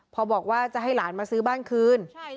พอบอกว่าจะให้หลานมาซื้อบ้านคืน